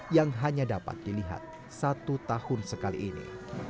yang hanya dapat dilihat satu tahun sekali ini